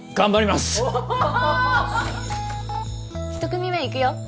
１組目いくよ